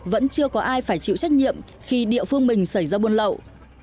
vẫn chưa có ai phải chịu trách nhiệm khi địa phương mình xảy ra buôn lậu